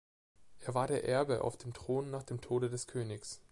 Er war der Erbe auf den Thron nach dem Tode des Königs.